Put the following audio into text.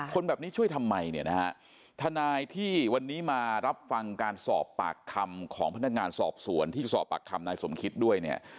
คนแบบนี้ช่วยทำไมเนี่ยนะฮะทนายที่วันนี้มารับฟังการสอบปากคำของพนักงานสอบสวนที่สอบปากคำนายสมคิตด้วยเนี่ย